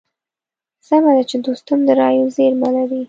سمه ده چې دوستم د رايو زېرمه لري.